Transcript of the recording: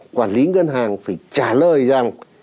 quản lý ngân hàng phải trả lời rằng